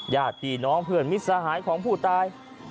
ญาติพี่น้องเพื่อนมิตรสหายของผู้ตาย